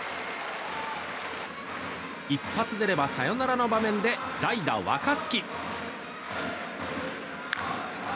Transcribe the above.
一発出ればサヨナラの場面で代打、若月。